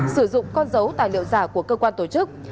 sử dụng con dấu tài liệu giả của cơ quan tổ chức